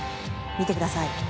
見てください。